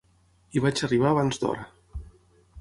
Hi vaig arribar abans d'hora.